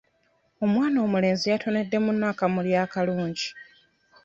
Omwana omulenzi yatonedde munne akamuli akalungi.